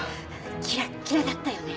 キラッキラだったよね。